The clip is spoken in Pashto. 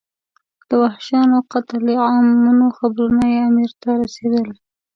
د وحشیانه قتل عامونو خبرونه یې امیر ته رسېدل.